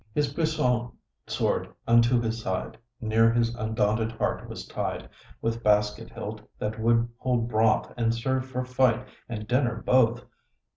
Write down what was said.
....... His puissant sword unto his side, Near his undaunted heart, was ty'd, With basket hilt, that would hold broth, And serve for fight and dinner both.